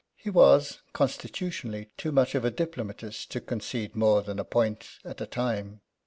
He was, constitutionally, too much of a diplomatist to concede more than a point at a time.